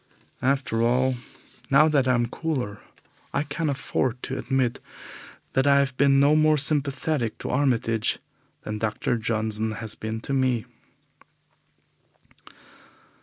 After all, now that I am cooler, I can afford to admit that I have been no more sympathetic to Armitage than Dr. Johnson has been to me.